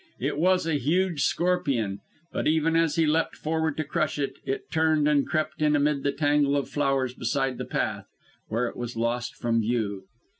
It was a huge scorpion; but, even as he leapt forward to crush it, it turned and crept in amid the tangle of flowers beside the path, where it was lost from view.